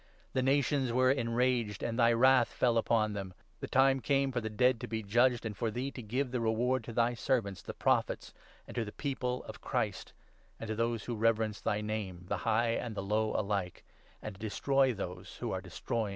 The nations were enraged, 18 and thy Wrath fell upon them ; the time came for the dead to be judged, and for thee to give the reward to thy servants the Prophets, and to the People of Christ, and to those who reverence thy Name — the high and the low alike — and to destroy those who are destroying the earth.'